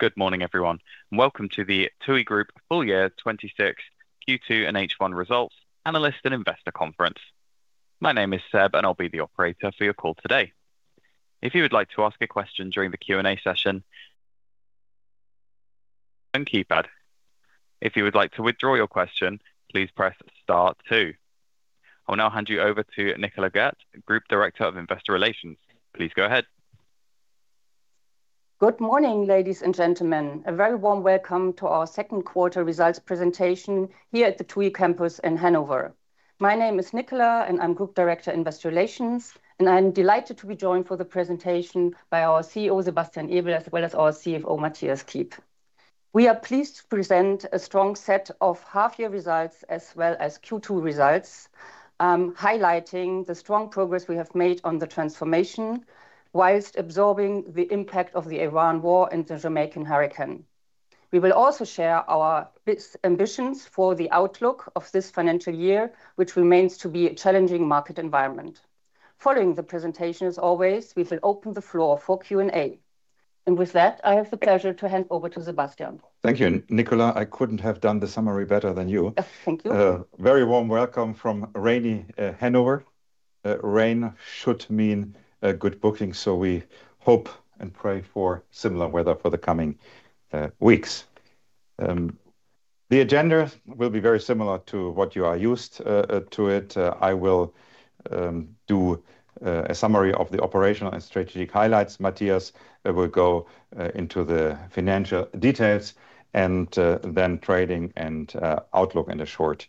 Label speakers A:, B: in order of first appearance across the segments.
A: Good morning, everyone, and welcome to the TUI Group Full Year 2026 Q2 and H1 Results Analyst and Investor Conference. My name is Seb, and I'll be the operator for your call today. If you would like to ask a question during the Q&A session, and keypad. If you would like to withdraw your question, please press star two. I'll now hand you over to Nicola Gehrt, Group Director of Investor Relations. Please go ahead.
B: Good morning, ladies and gentlemen. A very warm welcome to our second quarter results presentation here at the TUI campus in Hanover. My name is Nicola, I'm Group Director Investor Relations, and I'm delighted to be joined for the presentation by our CEO, Sebastian Ebel, as well as our CFO, Mathias Kiep. We are pleased to present a strong set of half-year results as well as Q2 results, highlighting the strong progress we have made on the transformation whilst absorbing the impact of the Iran war and the Jamaican hurricane. We will also share our ambitions for the outlook of this financial year, which remains to be a challenging market environment. Following the presentation, as always, we will open the floor for Q&A. With that, I have the pleasure to hand over to Sebastian.
C: Thank you. Nicola, I couldn't have done the summary better than you.
B: Thank you.
C: A very warm welcome from rainy Hanover. Rain should mean good booking, we hope and pray for similar weather for the coming weeks. The agenda will be very similar to what you are used to it. I will do a summary of the operational and strategic highlights. Mathias will go into the financial details and then trading and outlook and a short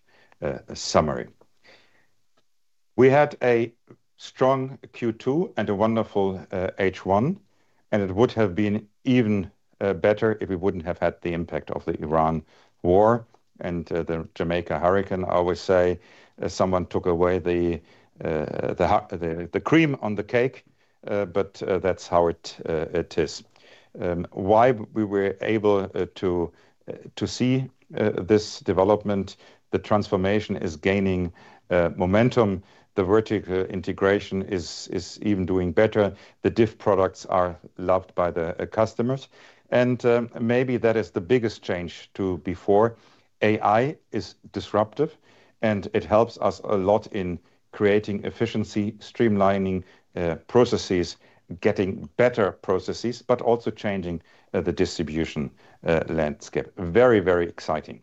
C: summary. We had a strong Q2 and a wonderful H1, it would have been even better if we wouldn't have had the impact of the Iran war and the Jamaica hurricane. I always say someone took away the cream on the cake, that's how it is. Why we were able to see this development, the transformation is gaining momentum. The vertical integration is even doing better. The differentiated products are loved by the customers. Maybe that is the biggest change to before. AI is disruptive, and it helps us a lot in creating efficiency, streamlining processes, getting better processes, but also changing the distribution landscape. Very, very exciting.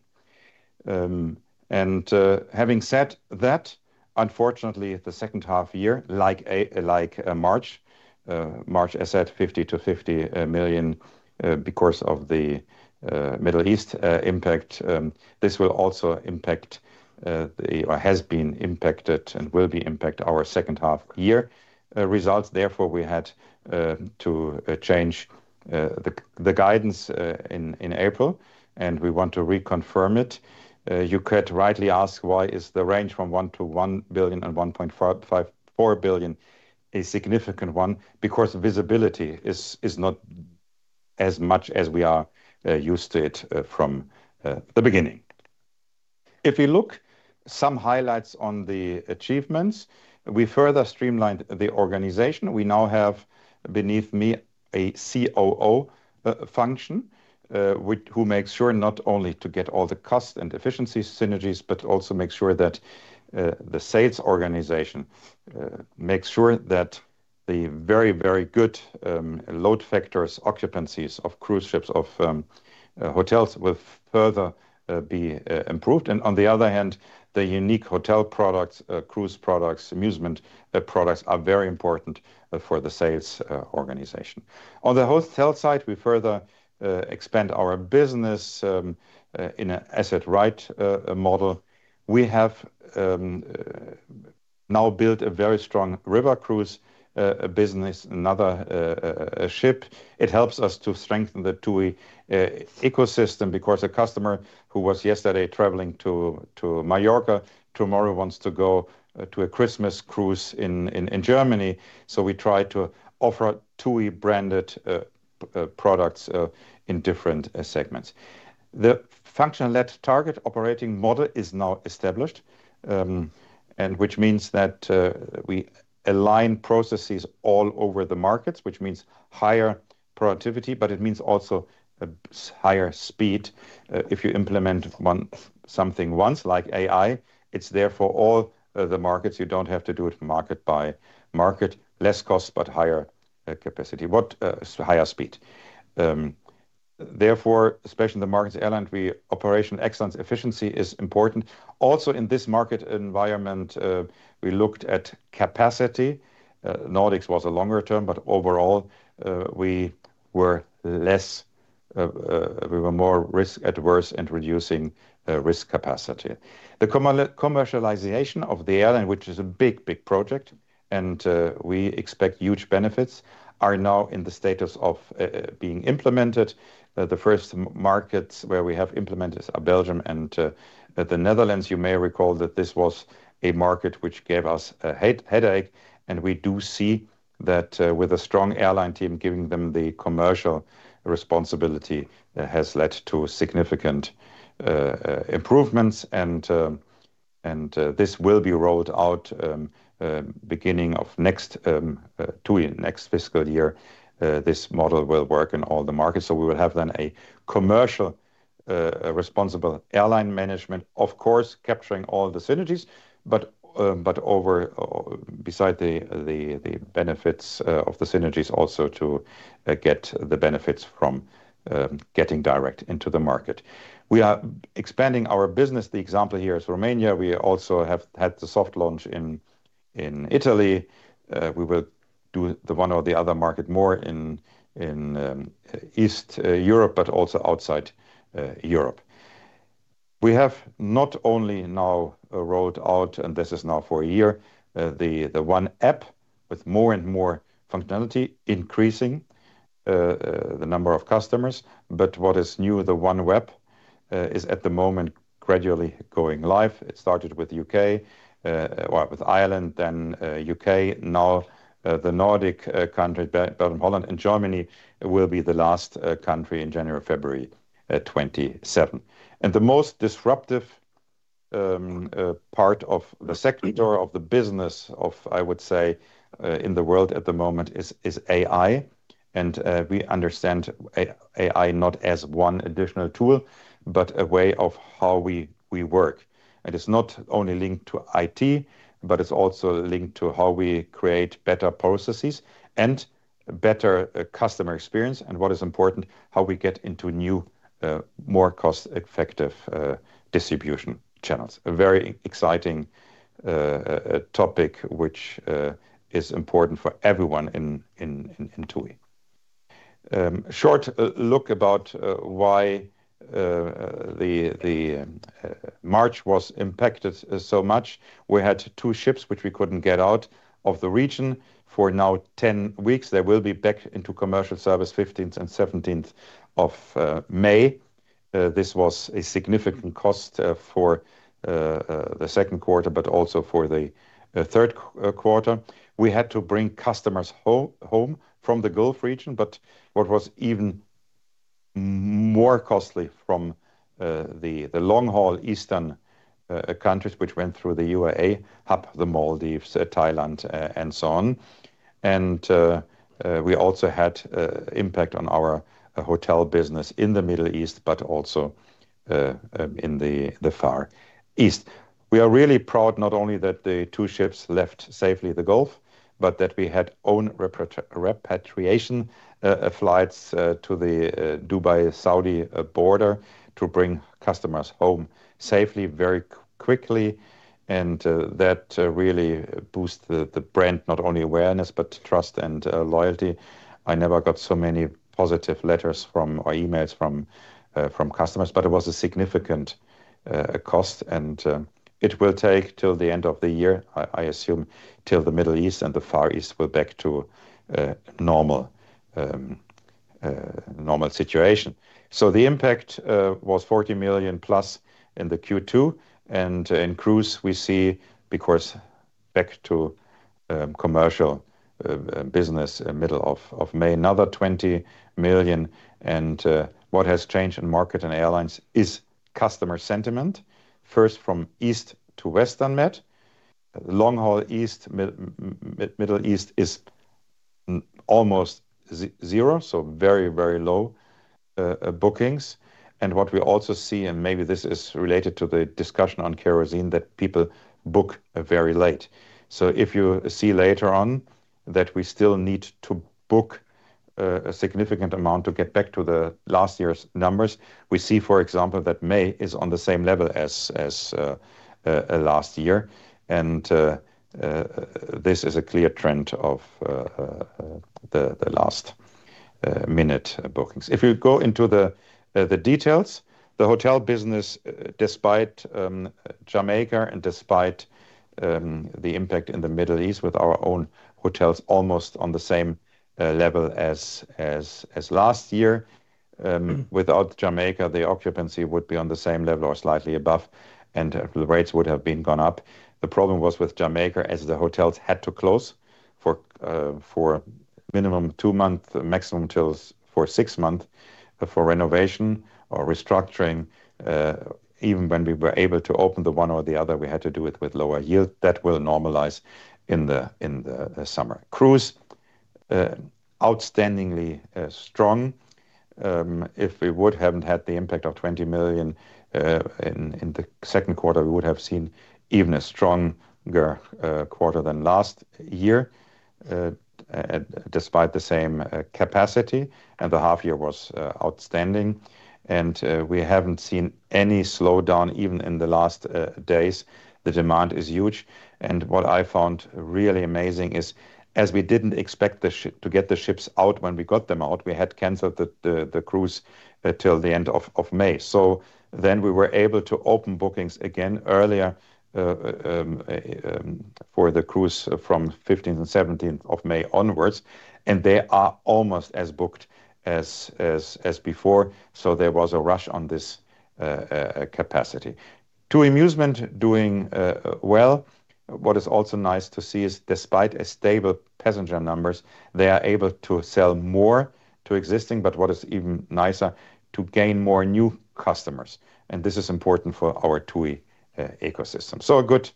C: Having said that, unfortunately, the second half year, like March, I said 50 million-50 million because of the Middle East impact. This will also impact or has been impacted and will be impact our second half year results. Therefore, we had to change the guidance in April, and we want to reconfirm it. You could rightly ask why is the range from 1 billion-1.4 billion a significant one? Because visibility is not as much as we are used to it from the beginning. If we look some highlights on the achievements, we further streamlined the organization. We now have, beneath me, a COO function, who makes sure not only to get all the cost and efficiency synergies, but also makes sure that the sales organization makes sure that the very, very good load factors, occupancies of cruise ships, of hotels will further be improved. On the other hand, the unique hotel products, cruise products, musement products are very important for the sales organization. On the hotel side, we further expand our business in an asset-right model. We have now built a very strong river cruise business, another ship. It helps us to strengthen the TUI ecosystem because a customer who was yesterday traveling to Mallorca, tomorrow wants to go to a Christmas cruise in Germany. We try to offer TUI-branded products in different segments. The function-led target operating model is now established, and which means that we align processes all over the markets, which means higher productivity, but it means also higher speed. If you implement something once, like AI, it's there for all the markets. You don't have to do it market by market. Less cost, higher capacity. Higher speed. Especially in the markets airline, we operation excellence, efficiency is important. In this market environment, we looked at capacity. Nordics was a longer term, overall, we were less, we were more risk-adverse and reducing risk capacity. The commercialization of the airline, which is a big, big project, and we expect huge benefits, are now in the status of being implemented. The first markets where we have implemented are Belgium and the Netherlands. You may recall that this was a market which gave us a headache, We do see that, with a strong airline team, giving them the commercial responsibility, has led to significant improvements. This will be rolled out beginning of next TUI, next fiscal year. This model will work in all the markets. We will have then a commercial responsible airline management, of course, capturing all the synergies, but over beside the benefits of the synergies also to get the benefits from getting direct into the market. We are expanding our business. The example here is Romania. We also have had the soft launch in Italy. We will do the one or the other market more in East Europe, but also outside Europe. We have not only now rolled out, and this is now for a year, the One app with more and more functionality, increasing the number of customers. What is new, the One web is at the moment gradually going live. It started with U.K., with Ireland, then U.K. Now, the Nordic country, Belgium, Holland, and Germany will be the last country in January, February, 2027. The most disruptive part of the sector of the business of, I would say, in the world at the moment is AI. We understand AI not as 1 additional tool, but a way of how we work. It's not only linked to IT, but it's also linked to how we create better processes and better customer experience and what is important, how we get into new, more cost-effective distribution channels. A very exciting topic which is important for everyone in TUI. Short look about why the March was impacted so much. We had two ships which we couldn't get out of the region for now 10 weeks. They will be back into commercial service 15th and 17th of May. This was a significant cost for the second quarter, but also for the third quarter. We had to bring customers home from the Gulf region. What was even more costly from the long-haul Eastern countries, which went through the UAE, up the Maldives, Thailand, and so on. We also had impact on our hotel business in the Middle East, but also in the Far East. We are really proud not only that the two ships left safely the Gulf, but that we had own repatriation flights to the Dubai-Saudi border to bring customers home safely very quickly. That really boost the brand, not only awareness, but trust and loyalty. I never got so many positive letters from, or emails from customers. It was a significant cost, and it will take till the end of the year, I assume, till the Middle East and the Far East were back to normal situation. The impact was 40 million+ in the Q2. In cruise, we see, because back to commercial business middle of May, another 20 million. What has changed in market and airlines is customer sentiment. First, from east to west Med. Long-haul east, Middle East is almost zero, so very low bookings. What we also see, and maybe this is related to the discussion on kerosene, that people book very late. If you see later on that we still need to book a significant amount to get back to the last year's numbers. We see, for example, that May is on the same level as last year. This is a clear trend of the last minute bookings. If you go into the details, the hotel business, despite Jamaica and despite the impact in the Middle East with our own hotels almost on the same level as last year. Without Jamaica, the occupancy would be on the same level or slightly above, and the rates would have been gone up. The problem was with Jamaica, as the hotels had to close for minimum two month, maximum till for six month for renovation or restructuring. Even when we were able to open the one or the other, we had to do it with lower yield. That will normalize in the summer. Cruise, outstandingly strong. If we would haven't had the impact of 20 million in the second quarter, we would have seen even a stronger quarter than last year despite the same capacity. The half year was outstanding. We haven't seen any slowdown even in the last days. The demand is huge. What I found really amazing is, as we didn't expect to get the ships out when we got them out, we had canceled the cruise till the end of May. We were able to open bookings again earlier for the cruise from 15th and 17th of May onwards, and they are almost as booked as before. There was a rush on this capacity. TUI Musement doing well. What is also nice to see is despite a stable passenger numbers, they are able to sell more to existing. What is even nicer, to gain more new customers, and this is important for our TUI ecosystem. A good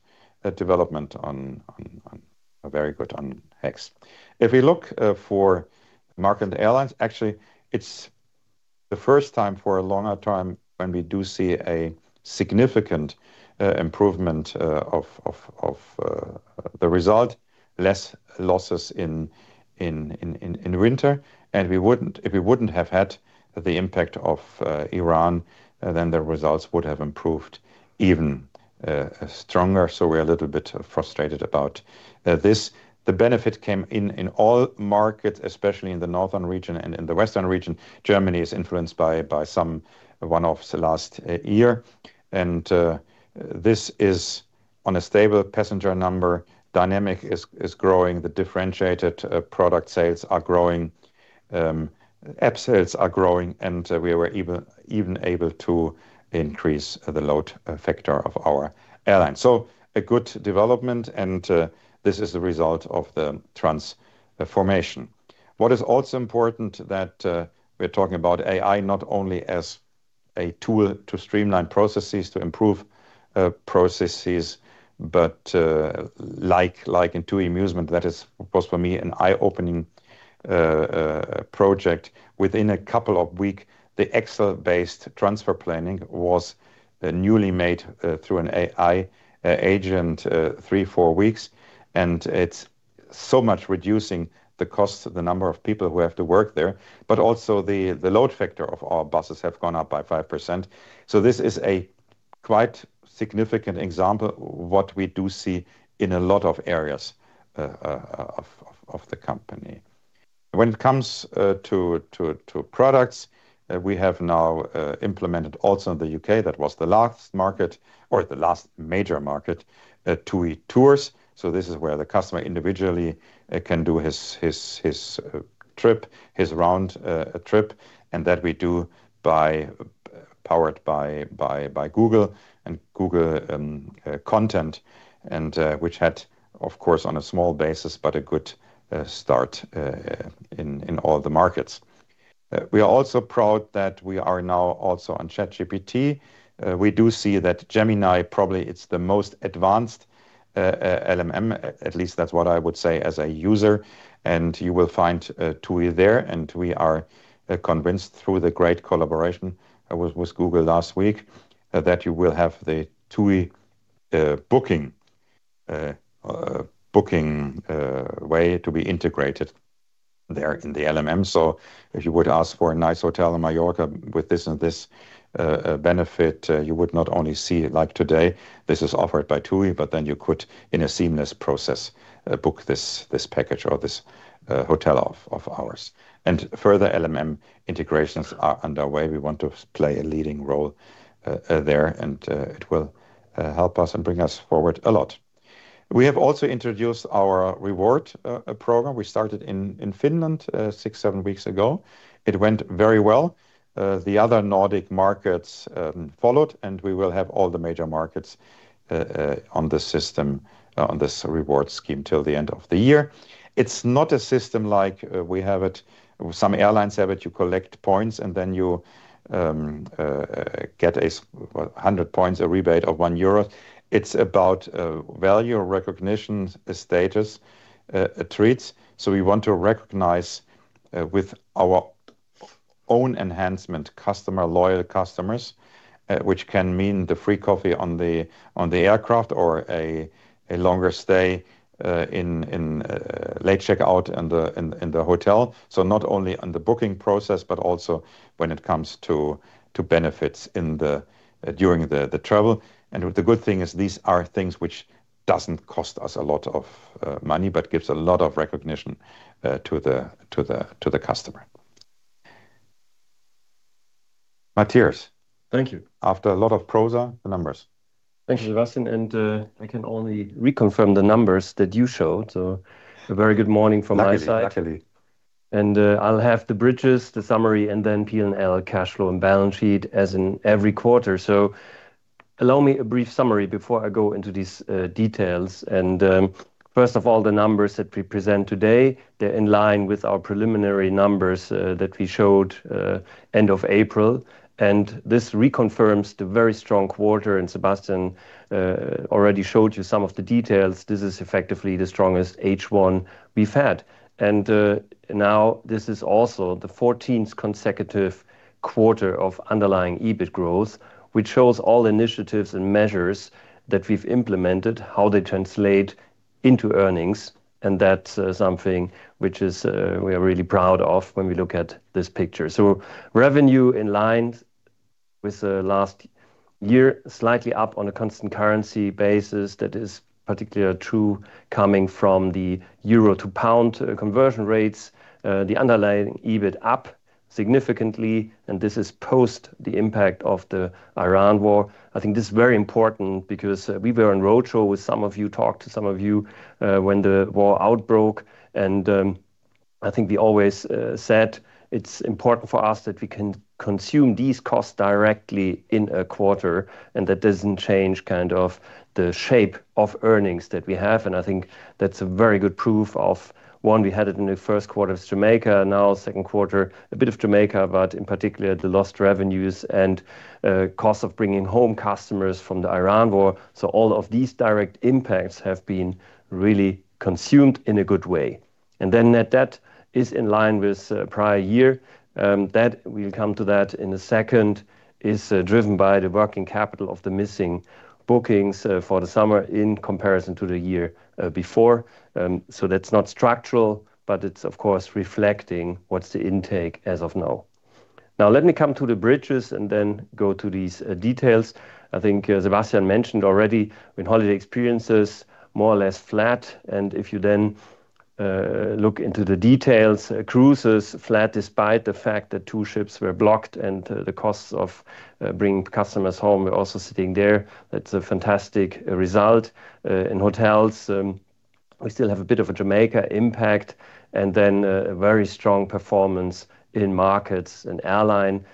C: development on Very good on HEx. If we look for Mark and Airlines, actually it's the first time for a longer time when we do see a significant improvement of the result, less losses in winter. We wouldn't if we wouldn't have had the impact of Iran, then the results would have improved even stronger. We're a little bit frustrated about this. The benefit came in all markets, especially in the northern region and in the western region. Germany is influenced by some one-offs last year. This is on a stable passenger number. Dynamic is growing. The differentiated product sales are growing. App sales are growing, and we were even able to increase the load factor of our airline. A good development, and this is the result of the transformation. What is also important that we are talking about AI not only as a tool to streamline processes, to improve processes, but like in TUI Musement, that was for me an eye-opening project. Within a couple of week, the Excel-based transfer planning was newly made through an AI agent, three, four weeks. It's so much reducing the cost, the number of people who have to work there, but also the load factor of our buses have gone up by 5%. This is a quite significant example what we do see in a lot of areas of the company. When it comes to products, we have now implemented also in the U.K., that was the last market or the last major market, TUI Tours. This is where the customer individually can do his trip, his round trip, and that we do by powered by Google and Google content, and which had, of course, on a small basis, but a good start in all the markets. We are also proud that we are now also on ChatGPT. We do see that Gemini probably it's the most advanced LLM, at least that's what I would say as a user. You will find TUI there, and we are convinced through the great collaboration with Google last week that you will have the TUI booking way to be integrated there in the LLM. If you would ask for a nice hotel in Mallorca with this and this benefit, you would not only see, like today, this is offered by TUI, but then you could, in a seamless process, book this package or this hotel of ours. Further LLM integrations are underway. We want to play a leading role there, and it will help us and bring us forward a lot. We have also introduced our reward program. We started in Finland six, seven weeks ago. It went very well. The other Nordic markets followed, and we will have all the major markets on the system on this reward scheme till the end of the year. It's not a system like we have it, some airlines have it, you collect points, and then you get what, 100 points, a rebate of 1 euro. It's about value, recognition, status, treats. We want to recognize with our own enhancement customer, loyal customers, which can mean the free coffee on the aircraft or a longer stay in late checkout in the hotel. Not only on the booking process, but also when it comes to benefits in the during the travel. The good thing is these are things which doesn't cost us a lot of money, but gives a lot of recognition to the customer. Mathias.
D: Thank you.
C: After a lot of prose, the numbers.
D: Thank you, Sebastian, and I can only reconfirm the numbers that you showed. A very good morning from my side.
C: Luckily.
D: I'll have the bridges, the summary, and then P&L cash flow and balance sheet as in every quarter. Allow me a brief summary before I go into these details. First of all, the numbers that we present today, they're in line with our preliminary numbers that we showed end of April. This reconfirms the very strong quarter, Sebastian already showed you some of the details. This is effectively the strongest H1 we've had. Now this is also the 14th consecutive quarter of underlying EBIT growth, which shows all initiatives and measures that we've implemented, how they translate into earnings, and that's something which is we are really proud of when we look at this picture. Revenue in line with last year, slightly up on a constant currency basis. That is particularly true coming from the euro to pound conversion rates. The underlying EBIT up significantly, and this is post the impact of the Iran war. I think this is very important because we were on roadshow with some of you, talked to some of you, when the war outbroke, and I think we always said it's important for us that we can consume these costs directly in a quarter, and that doesn't change kind of the shape of earnings that we have. I think that's a very good proof of, one, we had it in the first quarter as Jamaica, now second quarter, a bit of Jamaica, but in particular the lost revenues and cost of bringing home customers from the Iran war. All of these direct impacts have been really consumed in a good way. Net debt is in line with prior year, that we'll come to that in a second, is driven by the working capital of the missing bookings for the summer in comparison to the year before. That's not structural, but it's of course reflecting what's the intake as of now. Let me come to the bridges and go to these details. I think Sebastian mentioned already in holiday experiences more or less flat. If you look into the details, cruises flat despite the fact that two ships were blocked and the costs of bringing customers home are also sitting there. That's a fantastic result. In hotels, we still have a bit of a Jamaica impact and then a very strong performance in markets and airline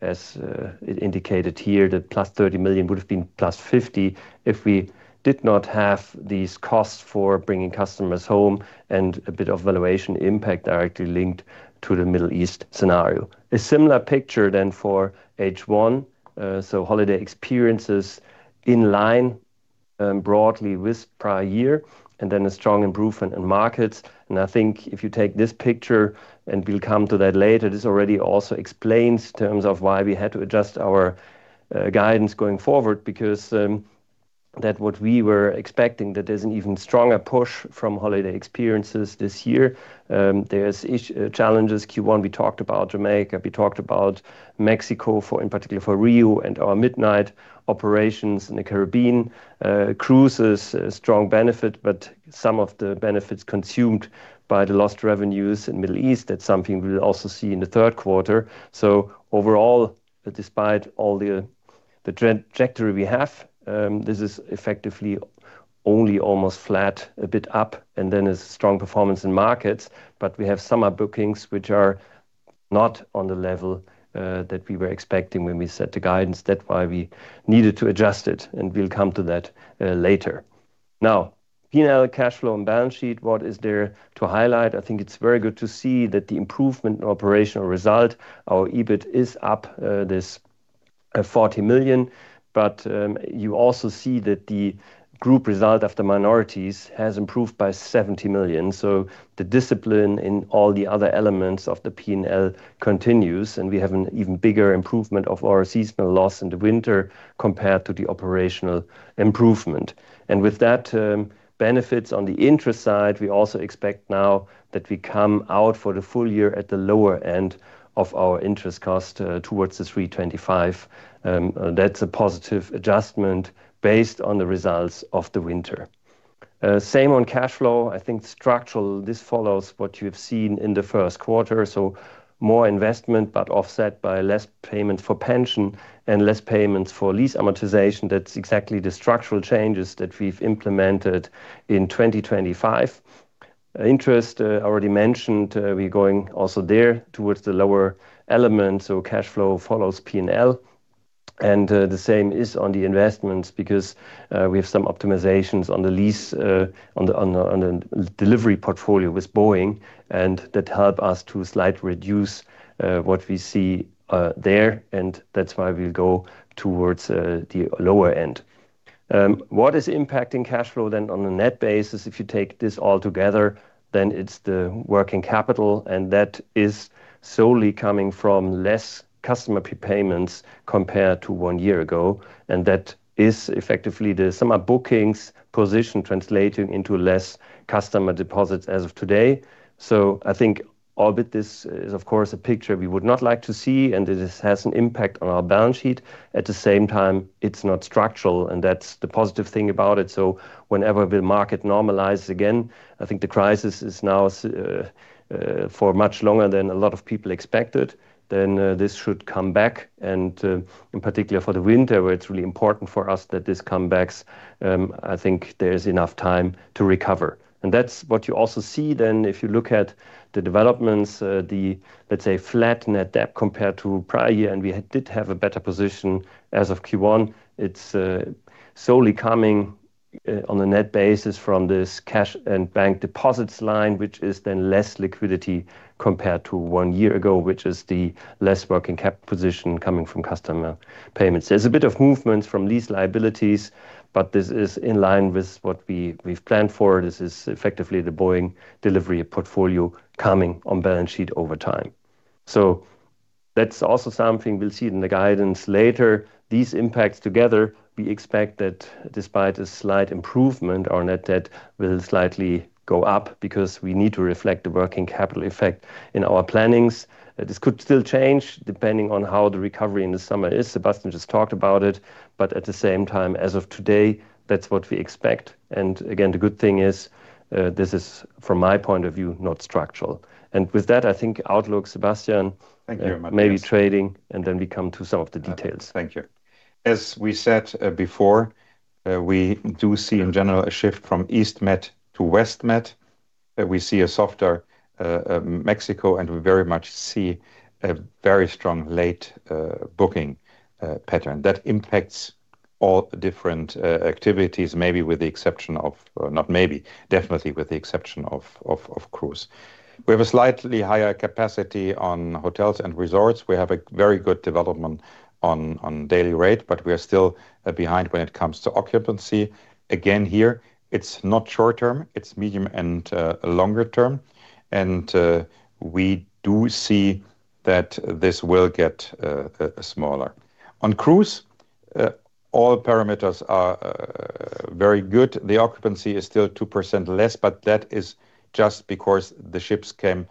D: as it indicated here that +30 million would've been +50 million if we did not have these costs for bringing customers home and a bit of valuation impact directly linked to the Middle East scenario. A similar picture for H1. Holiday experiences in line broadly with prior year and then a strong improvement in markets. I think if you take this picture, and we'll come to that later, this already also explains terms of why we had to adjust our guidance going forward because that what we were expecting that there's an even stronger push from holiday experiences this year. There's challenges Q1 we talked about Jamaica, we talked about Mexico for, in particular for RIU and our midnight operations in the Caribbean. Cruises a strong benefit, some of the benefits consumed by the lost revenues in Middle East. That's something we'll also see in the third quarter. Overall, despite all the trajectory we have, this is effectively only almost flat, a bit up and then a strong performance in markets. We have summer bookings which are not on the level that we were expecting when we set the guidance. That's why we needed to adjust it, and we'll come to that later. Now, P&L cash flow and balance sheet, what is there to highlight? I think it's very good to see that the improvement in operational result, our EBIT is up this 40 million. You also see that the group result of the minorities has improved by 70 million. The discipline in all the other elements of the P&L continues, and we have an even bigger improvement of our seasonal loss in the winter compared to the operational improvement. With that, benefits on the interest side, we also expect now that we come out for the full year at the lower end of our interest cost towards 325. That's a positive adjustment based on the results of the winter. Same on cash flow. I think structural, this follows what you've seen in the first quarter. More investment but offset by less payment for pension and less payments for lease amortization. That's exactly the structural changes that we've implemented in 2025. Interest, already mentioned, we're going also there towards the lower element, so cash flow follows P&L. The same is on the investments because we have some optimizations on the lease on the delivery portfolio with Boeing and that help us to slightly reduce what we see there and that's why we'll go towards the lower end. What is impacting cash flow then on a net basis? If you take this all together, then it's the working capital and that is solely coming from less customer prepayments compared to one year ago. That is effectively the summer bookings position translating into less customer deposits as of today. I think albeit this is of course a picture we would not like to see, and this has an impact on our balance sheet. At the same time, it's not structural and that's the positive thing about it. Whenever the market normalizes again, I think the crisis is now for much longer than a lot of people expected, this should come back and in particular for the winter where it's really important for us that this comebacks, I think there is enough time to recover. That's what you also see then if you look at the developments, the, let's say flat net debt compared to prior year, and we did have a better position as of Q1. It's solely coming on a net basis from this cash and bank deposits line, which is then less liquidity compared to one year ago, which is the less working cap position coming from customer payments. There's a bit of movement from lease liabilities, but this is in line with what we've planned for. This is effectively the Boeing delivery portfolio coming on balance sheet over time. That's also something we'll see in the guidance later. These impacts together, we expect that despite a slight improvement on net debt will slightly go up because we need to reflect the working capital effect in our plannings. This could still change depending on how the recovery in the summer is. Sebastian just talked about it. At the same time, as of today, that's what we expect. Again, the good thing is, this is from my point of view, not structural. With that, I think outlook, Sebastian.
C: Thank you very much.
D: Maybe trading and then we come to some of the details.
C: Thank you. As we said, before, we do see in general a shift from East Med to West Med. We see a softer Mexico and we very much see a very strong late booking pattern that impacts all different activities, maybe with the exception of, not maybe, definitely with the exception of cruise. We have a slightly higher capacity on hotels and resorts. We have a very good development on daily rate, but we are still behind when it comes to occupancy. Again here, it's not short term, it's medium and longer term. We do see that this will get smaller. On cruise, all parameters are very good. The occupancy is still 2% less. That is just because the ships came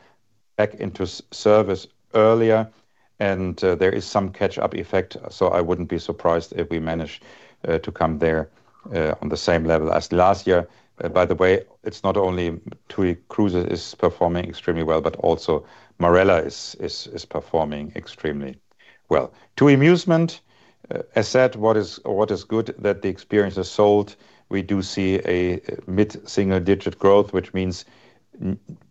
C: back into service earlier. There is some catch-up effect. I wouldn't be surprised if we managed to come there on the same level as last year. It's not only TUI Cruises is performing extremely well, but also Marella Cruises is performing extremely well. TUI Musement, as said, what is good that the experience is sold. We do see a mid-single-digit growth, which means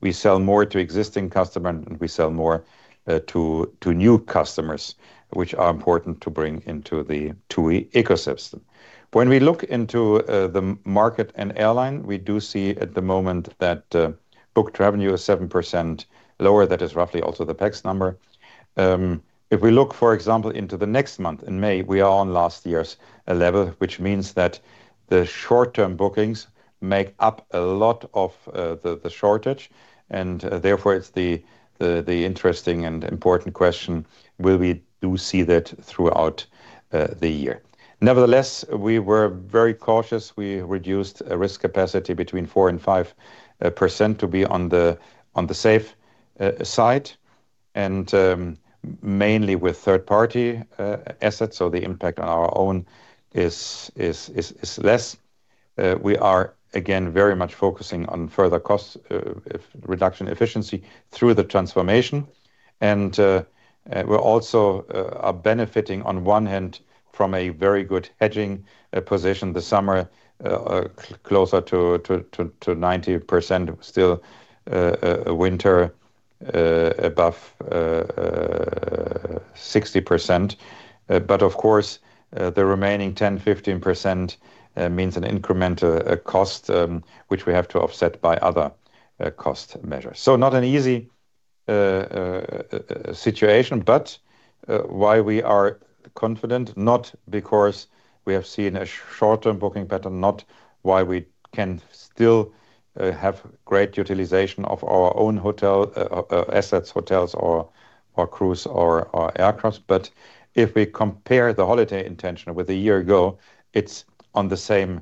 C: we sell more to existing customer and we sell more to new customers, which are important to bring into the TUI ecosystem. We look into the market and airline, we do see at the moment that booked revenue is 7% lower. That is roughly also the PAX number. If we look, for example, into the next month, in May, we are on last year's level, which means that the short-term bookings make up a lot of the shortage, and therefore it's the interesting and important question, will we do see that throughout the year? Nevertheless, we were very cautious. We reduced risk capacity between 4%-5% to be on the safe side, and mainly with third-party assets, so the impact on our own is less. We are again very much focusing on further cost reduction efficiency through the transformation. We're also benefiting on one hand from a very good hedging position this summer, closer to 90%. Still, winter above 60%. But of course, the remaining 10%, 15% means an incremental cost, which we have to offset by other cost measures. Not an easy situation, but why we are confident, not because we have seen a short-term booking pattern, not why we can still have great utilization of our own hotel assets, hotels or cruise or aircraft. If we compare the holiday intention with a year ago, it's on the same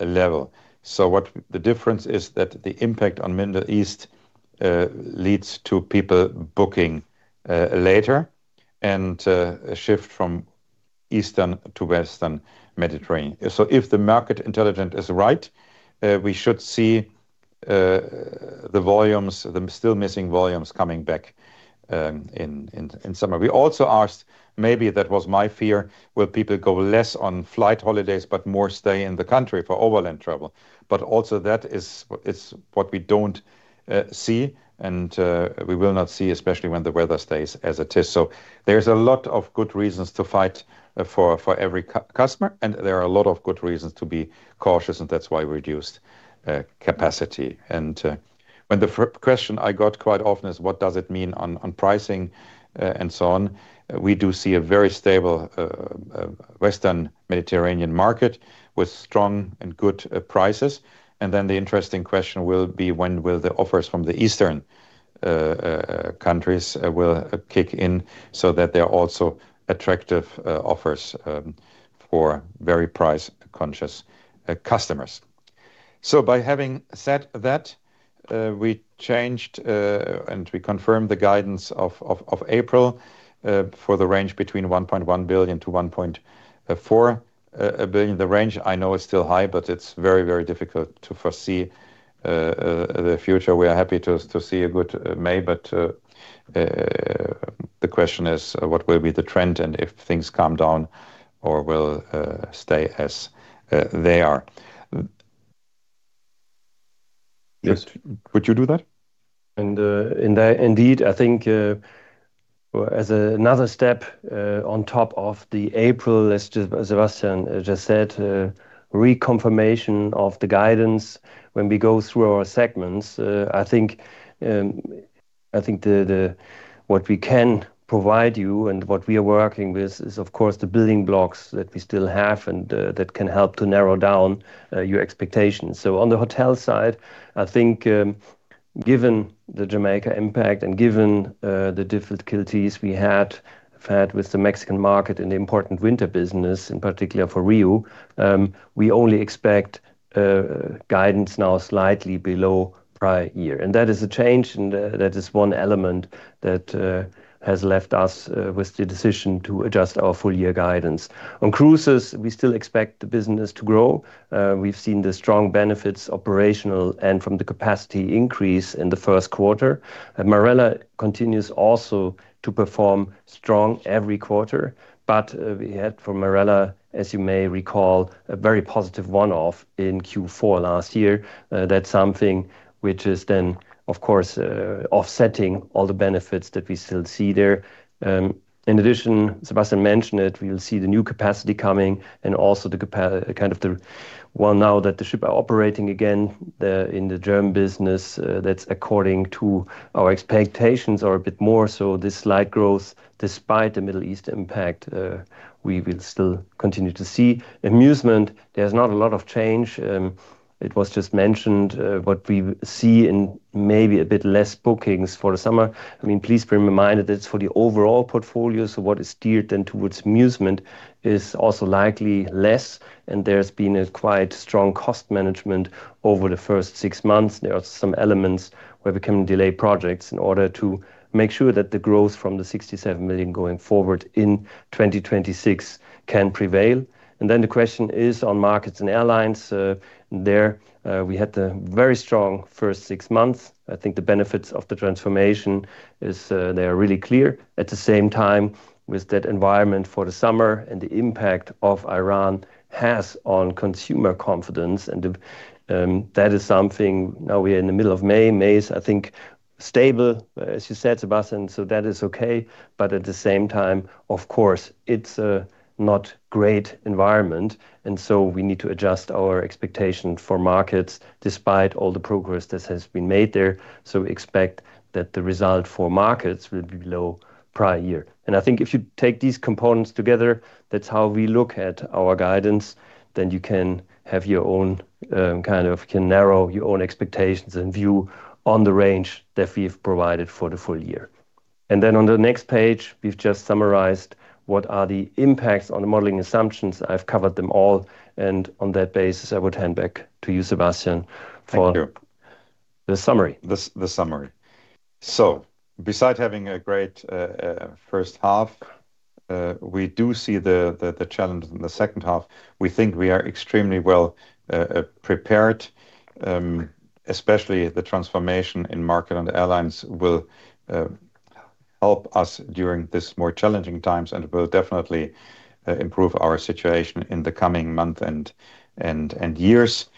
C: level. What the difference is that the impact on Middle East leads to people booking later and a shift from Eastern to Western Mediterranean. If the market intelligence is right, we should see the volumes, the still missing volumes coming back in summer. We also asked, maybe that was my fear, will people go less on flight holidays but more stay in the country for overland travel? Also that is what we don't see and we will not see, especially when the weather stays as it is. There's a lot of good reasons to fight for every customer, and there are a lot of good reasons to be cautious, and that's why we reduced capacity. When the question I got quite often is what does it mean on pricing and so on. We do see a very stable Western Mediterranean market with strong and good prices. The interesting question will be when will the offers from the Eastern countries will kick in so that they're also attractive offers for very price-conscious customers. By having said that, we changed and we confirmed the guidance of April for the range between 1.1 billion-1.4 billion. The range I know is still high, but it's very, very difficult to foresee the future. We are happy to see a good May, but the question is what will be the trend and if things calm down or will stay as they are. Yes. Would you do that?
D: Indeed, I think, well, as another step, on top of the April, as Sebastian just said, reconfirmation of the guidance when we go through our segments. I think, I think what we can provide you and what we are working with is of course the building blocks that we still have and that can help to narrow down your expectations. On the hotel side, I think. Given the Jamaica impact and given the difficulties we have had with the Mexican market and the important winter business, in particular for RIU, we only expect guidance now slightly below prior year. That is a change, and that is one element that has left us with the decision to adjust our full year guidance. On cruises, we still expect the business to grow. We've seen the strong benefits operational and from the capacity increase in the first quarter. Marella continues also to perform strong every quarter. We had for Marella, as you may recall, a very positive one-off in Q4 last year. That's something which is then, of course, offsetting all the benefits that we still see there. In addition, Sebastian mentioned it, we'll see the new capacity coming and also now that the ship are operating again, in the German business, that's according to our expectations or a bit more. This slight growth, despite the Middle East impact, we will still continue to see. musement, there's not a lot of change. It was just mentioned, what we see in maybe a bit less bookings for the summer. I mean, please bear in mind that it's for the overall portfolio, what is steered then towards musement is also likely less. There's been a quite strong cost management over the first six months. There are some elements where we can delay projects in order to make sure that the growth from the 67 million going forward in 2026 can prevail. Then the question is on markets and airlines. There, we had a very strong first six months. I think the benefits of the transformation is, they are really clear. At the same time, with that environment for the summer and the impact of Iran has on consumer confidence. That is something now we're in the middle of May. May is, I think, stable, as you said, Sebastian, so that is okay. At the same time, of course, it's a not great environment. We need to adjust our expectation for markets despite all the progress that has been made there. Expect that the result for markets will be below prior year. I think if you take these components together, that's how we look at our guidance. You can have your own, can narrow your own expectations and view on the range that we've provided for the full year. On the next page, we've just summarized what are the impacts on the modeling assumptions. I've covered them all. On that basis, I would hand back to you, Sebastian for the summary.
C: The summary. Beside having a great first half, we do see the challenge in the second half. We think we are extremely well prepared, especially the transformation in market and airlines will help us during this more challenging times and will definitely improve our situation in the coming month and years.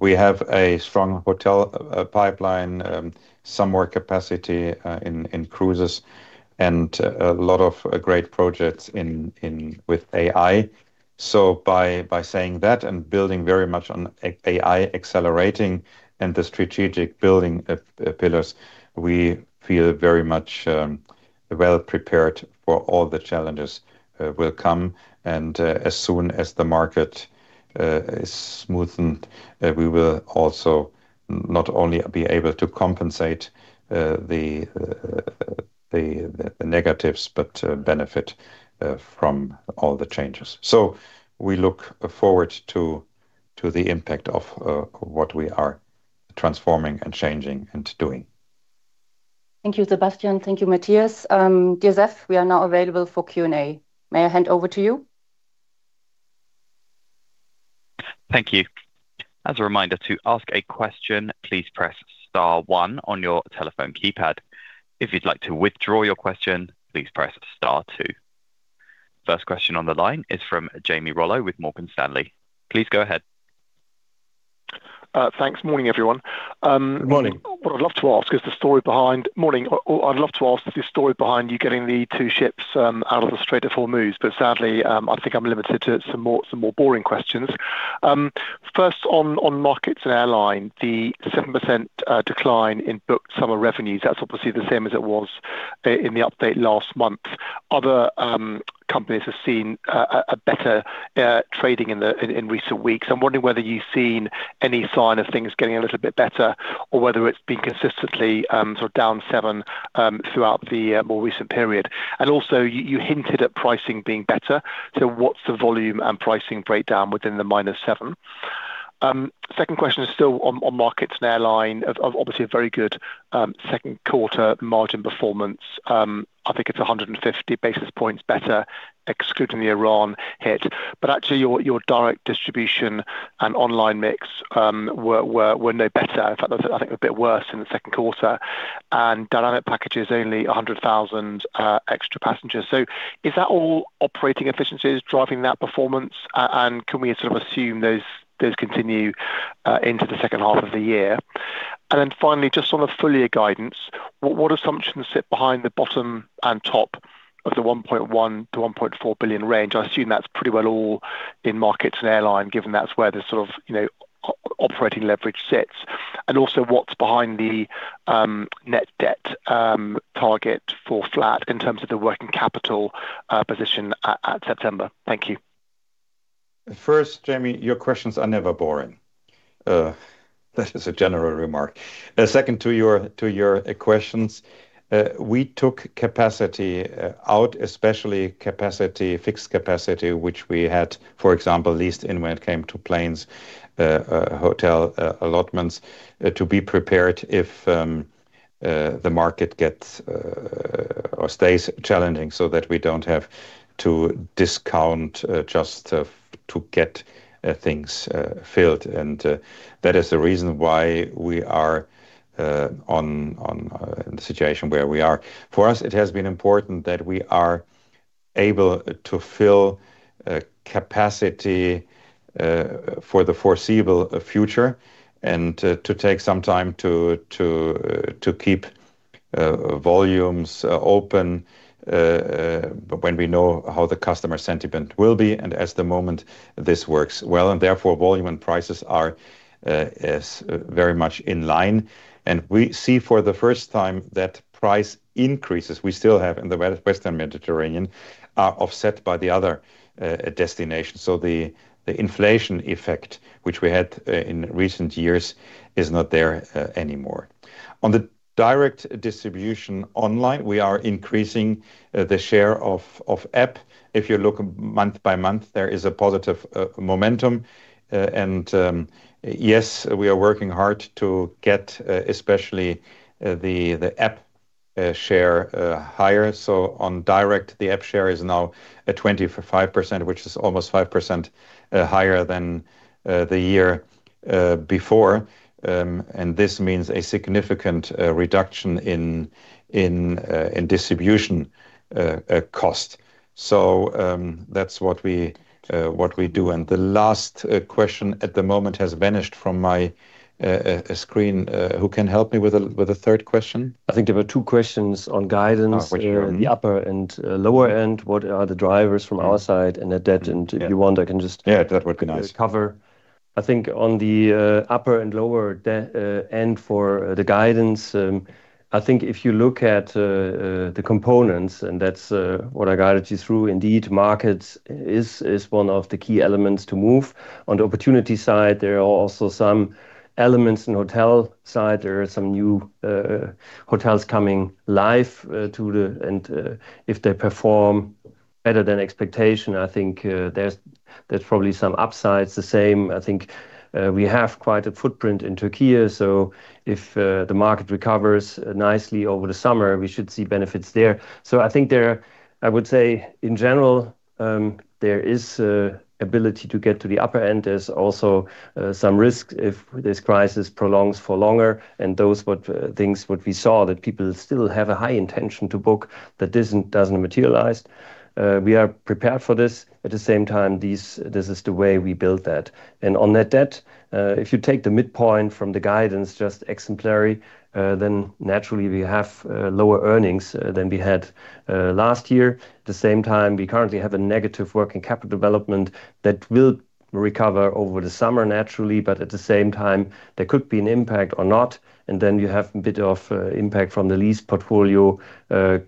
C: We have a strong hotel pipeline, some more capacity in cruises and a lot of great projects with AI. By saying that and building very much on AI accelerating and the strategic building pillars, we feel very much well prepared for all the challenges will come. As soon as the market is smoothened, we will also not only be able to compensate the negatives, but benefit from all the changes. We look forward to the impact of what we are transforming and changing and doing.
B: Thank you, Sebastian. Thank you, Mathias. Joseph, we are now available for Q&A. May I hand over to you?
A: Thank you. As a reminder to ask a question, please press star one on your telephone keypad. If you'd like to withdraw your question, please press star two. First question on the line is from Jamie Rollo with Morgan Stanley. Please go ahead.
E: Thanks. Morning, everyone.
C: Morning.
E: What I'd love to ask is the story behind you getting the two ships out of the Strait of Hormuz, sadly, I think I'm limited to some more boring questions. First on markets and airline, the 7% decline in booked summer revenues, that's obviously the same as it was in the update last month. Other companies have seen a better trading in recent weeks. I'm wondering whether you've seen any sign of things getting a little bit better or whether it's been consistently sort of down 7% throughout the more recent period. Also, you hinted at pricing being better. What's the volume and pricing breakdown within the -7%? Second question is still on markets and airline obviously a very good second quarter margin performance. I think it's 150 basis points better excluding the Iran hit. Actually, your direct distribution and online mix were no better. In fact, I think a bit worse in the second quarter. Dynamic packages, only 100,000 extra passengers. Is that all operating efficiencies driving that performance? Can we sort of assume those continue into the second half of the year? Finally, just on the full year guidance, what assumptions sit behind the bottom and top of the 1.1 billion-1.4 billion range? I assume that's pretty well all in markets and airline, given that's where the sort of, you know, operating leverage sits. Also what's behind the net debt target for flat in terms of the working capital position at September? Thank you.
C: First, Jamie, your questions are never boring. That is a general remark. Second to your questions, we took capacity out, especially capacity, fixed capacity, which we had, for example, leased in when it came to planes, hotel allotments, to be prepared if the market gets or stays challenging so that we don't have to discount just to get things filled. That is the reason why we are on in the situation where we are. For us, it has been important that we are able to fill capacity for the foreseeable future and to take some time to keep volumes open when we know how the customer sentiment will be. At the moment, this works well, therefore volume and prices are very much in line. We see for the first time that price increases we still have in the Western Mediterranean are offset by the other destination. The inflation effect, which we had in recent years, is not there anymore. On the direct distribution online, we are increasing the share of app. If you look month by month, there is a positive momentum. We are working hard to get especially the app share higher. On direct, the app share is now at 25%, which is almost 5% higher than the year before. This means a significant reduction in distribution cost. That's what we, what we do. The last question at the moment has vanished from my screen. Who can help me with a third question?
D: I think there were two questions on guidance, the upper and lower end. What are the drivers from our side and net debt? If you want me to cover.
C: Yeah, that would be nice.
D: I think on the upper and lower end for the guidance, I think if you look at the components, and that's what I guided you through, indeed markets is one of the key elements to move. On the opportunity side, there are also some elements in hotel side. There are some new hotels coming live. If they perform better than expectation, I think there's probably some upsides. The same, I think, we have quite a footprint in Türkiye, so if the market recovers nicely over the summer, we should see benefits there. I think there, I would say in general, there is a ability to get to the upper end. There's also some risk if this crisis prolongs for longer and those what things what we saw, that people still have a high intention to book that doesn't materialize. We are prepared for this. At the same time, this is the way we build that. On net debt, if you take the midpoint from the guidance, just exemplary, then naturally we have lower earnings than we had last year. At the same time, we currently have a negative working capital development that will recover over the summer, naturally. At the same time, there could be an impact or not, and then you have a bit of impact from the lease portfolio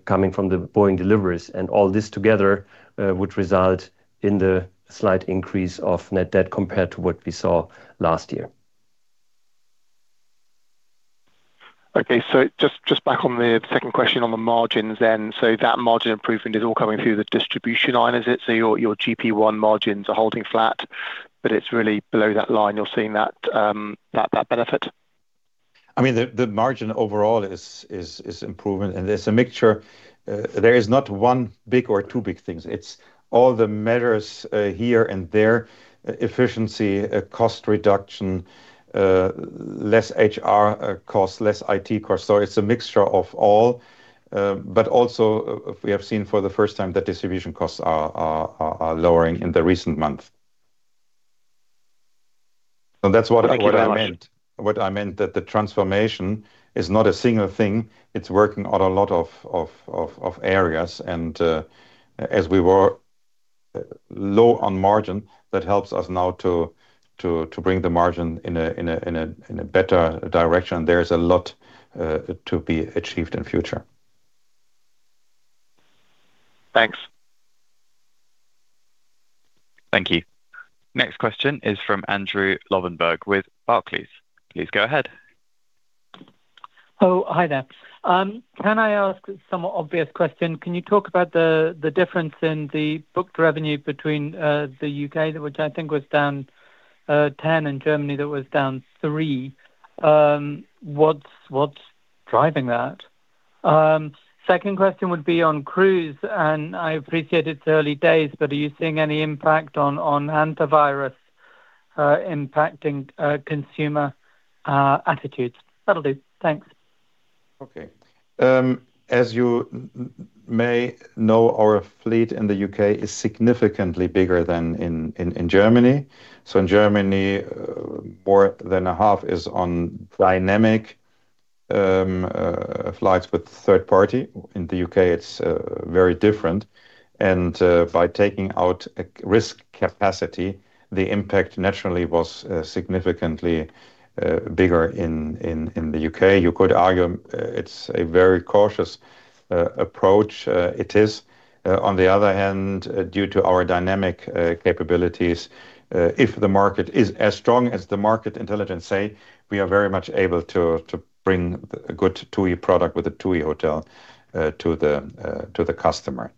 D: coming from the Boeing deliveries. All this together would result in the slight increase of net debt compared to what we saw last year.
E: Okay. Just, just back on the second question on the margins then. That margin improvement is all coming through the distribution line, is it? Your, your GP1 margins are holding flat, but it's really below that line you're seeing that benefit.
C: I mean, the margin overall is improving and there's a mixture. There is not one big or two big things. It's all the measures here and there. Efficiency, cost reduction, less HR cost, less IT cost. It's a mixture of all. Also, we have seen for the first time that distribution costs are lowering in the recent month. That's what I meant.
E: Thank you very much.
C: What I meant that the transformation is not a single thing. It's working on a lot of areas and, as we were low on margin, that helps us now to bring the margin in a better direction. There is a lot to be achieved in future.
E: Thanks.
A: Thank you. Next question is from Andrew Lobbenberg with Barclays. Please go ahead.
F: Oh, hi there. Can I ask a somewhat obvious question? Can you talk about the difference in the booked revenue between the U.K., which I think was down 10, and Germany that was down three? What's driving that? Second question would be on cruise, and I appreciate it's early days, but are you seeing any impact on norovirus impacting consumer attitudes? That'll do. Thanks.
C: Okay. As you may know, our fleet in the U.K. is significantly bigger than in Germany. In Germany, more than a half is on dynamic flights with third party. In the U.K., it's very different. By taking out a risk capacity, the impact naturally was significantly bigger in the U.K. You could argue, it's a very cautious approach. It is. On the other hand, due to our dynamic capabilities, if the market is as strong as the market intelligence say, we are very much able to bring a good TUI product with a TUI hotel to the customer.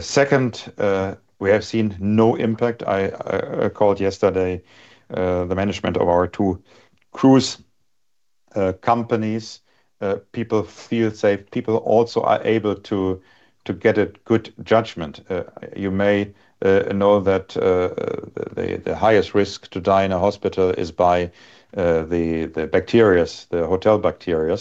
C: Second, we have seen no impact. I called yesterday, the management of our TUI Cruises companies. People feel safe. People also are able to get a good judgment. You may know that the highest risk to die in a hospital is by the bacteria, the hotel bacteria.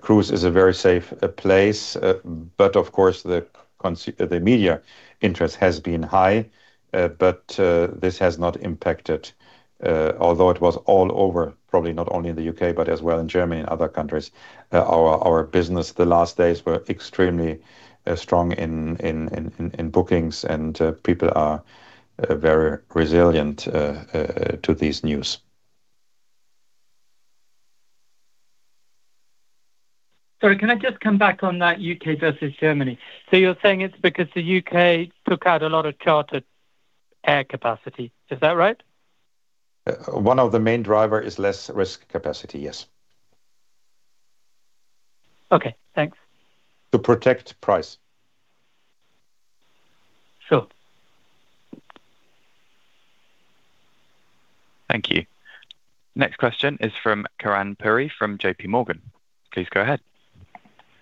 C: Cruise is a very safe place. Of course, the media interest has been high. This has not impacted. Although it was all over, probably not only in the U.K., but as well in Germany and other countries. Our business the last days were extremely strong in bookings, and people are very resilient to these news.
F: Sorry, can I just come back on that U.K. versus Germany? You're saying it's because the U.K. took out a lot of chartered air capacity. Is that right?
C: One of the main driver is less risk capacity, yes.
F: Okay, thanks.
C: To protect price.
F: Sure.
A: Thank you. Next question is from Karan Puri from JPMorgan. Please go ahead.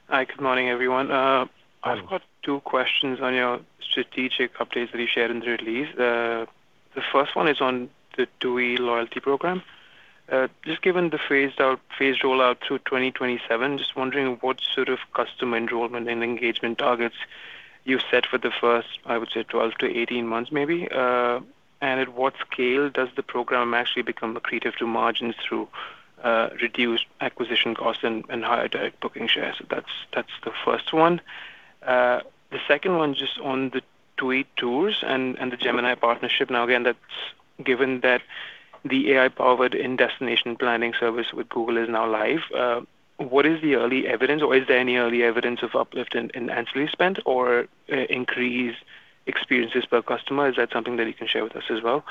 G: Hi, good morning, everyone. I've got two questions on your strategic updates that you shared in the release. The first one is on the TUI loyalty program. Just given the phased rollout through 2027, just wondering what sort of customer enrollment and engagement targets you've set for the first, I would say, 12 to 18 months, maybe. And at what scale does the program actually become accretive to margins through reduced acquisition costs and higher direct booking shares? That's the first one. The second one just on the TUI Tours and the Gemini partnership. Again, that's given that the AI-powered in-destination planning service with Google is now live. What is the early evidence, or is there any early evidence of uplift in ancillary spend or increased experiences per customer? Is that something that you can share with us as well?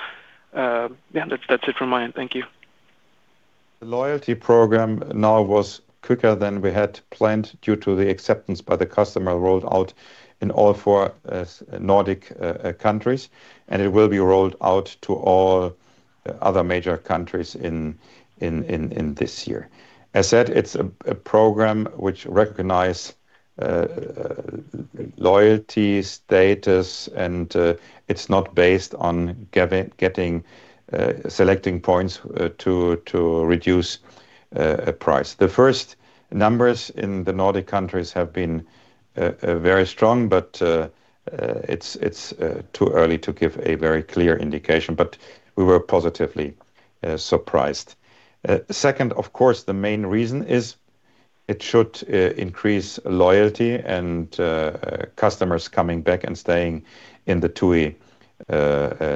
G: Yeah, that's it from my end. Thank you.
C: The loyalty program now was quicker than we had planned due to the acceptance by the customer rolled out in all four Nordic countries. It will be rolled out to all other major countries this year. As said, it's a program which recognize loyalty status, it's not based on getting selecting points to reduce price. The first numbers in the Nordic countries have been very strong, it's too early to give a very clear indication. We were positively surprised. Second, of course, the main reason is it should increase loyalty and customers coming back and staying in the TUI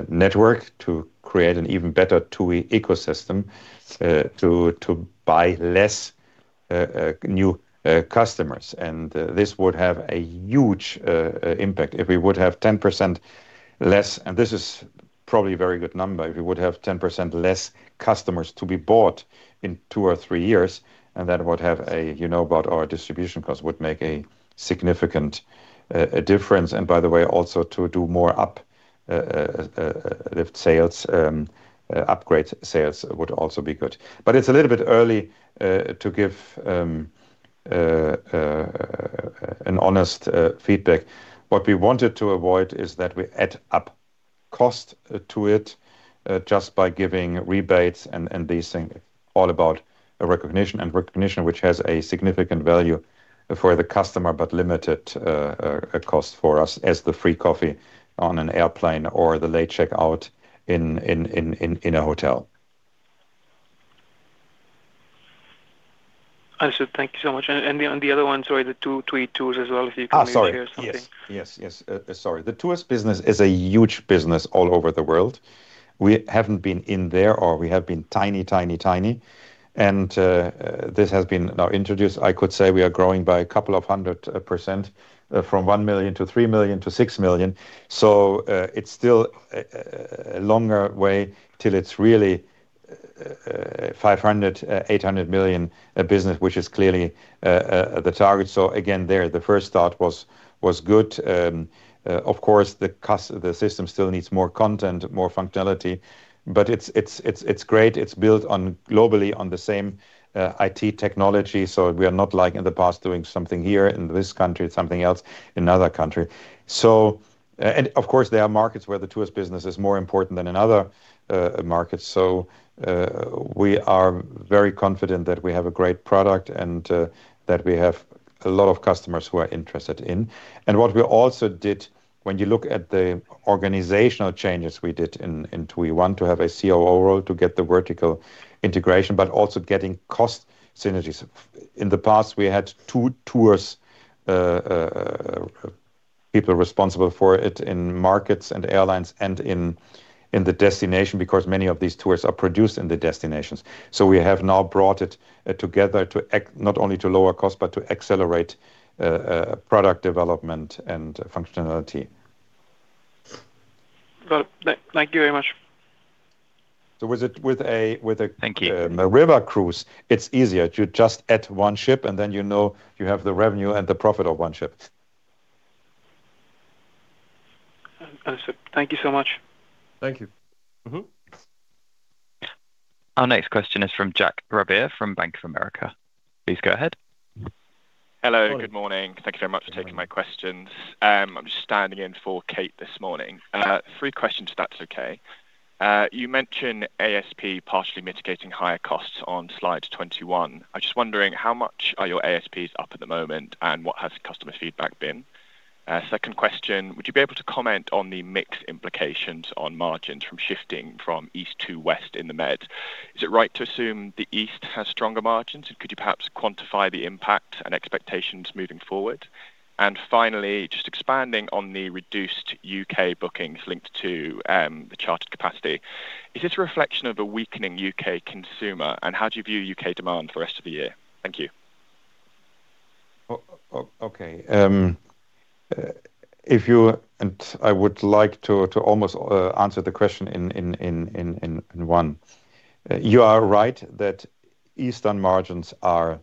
C: network to create an even better TUI ecosystem to buy less new customers. This would have a huge impact. If we would have 10% less, and this is probably a very good number. If we would have 10% less customers to be bought in two or three years, and that would have a, you know, about our distribution cost, would make a significant difference. By the way, also to do more up lift sales, upgrade sales would also be good. It's a little bit early to give an honest feedback. What we wanted to avoid is that we add up cost to it just by giving rebates and these things. All about a recognition, and recognition which has a significant value for the customer, but limited cost for us as the free coffee on an airplane or the late checkout in a hotel.
G: Awesome. Thank you so much. On the other one, sorry, the two TUI Tours as well, if you can maybe hear something.
C: Oh, sorry. Yes. Yes, yes. Sorry. The tours business is a huge business all over the world. We haven't been in there, or we have been tiny, tiny. This has been now introduced. I could say we are growing by a couple of 100%, from 1 million-3 million-EUR 6 million. It's still a longer way till it's really 500 million, 800 million business, which is clearly the target. Again, there, the first thought was good. Of course, the system still needs more content, more functionality, but it's great. It's built on, globally, on the same IT technology. We are not like in the past doing something here in this country, something else in another country. And of course, there are markets where the tours business is more important than another market. We are very confident that we have a great product and that we have a lot of customers who are interested in. What we also did, when you look at the organizational changes we did in TUI one to have a COO role to get the vertical integration, but also getting cost synergies. In the past, we had two tours people responsible for it in markets and airlines and in the destination, because many of these tours are produced in the destinations. We have now brought it together to not only to lower cost, but to accelerate product development and functionality.
G: Thank you very much.
C: Was it with a river cruise, it's easier to just add one ship, and then you know you have the revenue and the profit of one ship.
G: Awesome. Thank you so much.
C: Thank you.
A: Our next question is from Jack Rabear from Bank of America. Please go ahead.
H: Hello, good morning. Thank you very much for taking my questions. I'm just standing in for Kate this morning. Three questions if that's okay. You mentioned ASP partially mitigating higher costs on slide 21. I was just wondering how much are your ASPs up at the moment, and what has customer feedback been? Second question, would you be able to comment on the mix implications on margins from shifting from east to west in the Med? Is it right to assume the east has stronger margins? Could you perhaps quantify the impact and expectations moving forward? Finally, just expanding on the reduced U.K. bookings linked to the chartered capacity. Is this a reflection of a weakening U.K. consumer, and how do you view U.K. demand for the rest of the year? Thank you.
C: Okay. I would like to almost answer the question in one. You are right that eastern margins are